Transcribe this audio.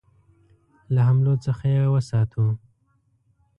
له حملو څخه یې وساتو.